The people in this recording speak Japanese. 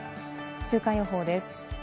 週間予報です。